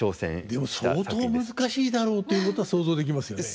でも相当難しいだろうということは想像できますよね。